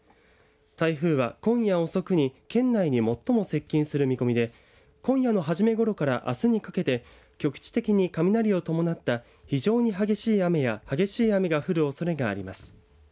台風は今夜遅くに県内に最も接近する見込みで今夜の初めごろから、あすにかけて局地的に雷を伴った非常に激しい雨や激しい雨が降るおそれがあります。